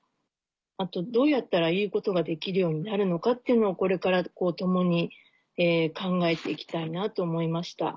あとどうやったら言うことができるようになるのかっていうのをこれから共に考えて行きたいなと思いました。